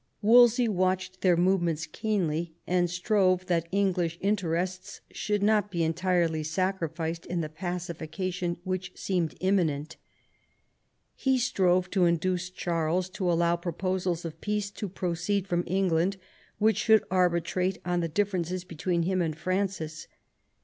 Wolsey watched their move ments keenly, and strove that English interests should not be entirely sacrificed in the pacification which seemed imminent He strove to induce Charles to allow pro posals of peace to proceed from England, which should arbitrate on the differences between him and Francis.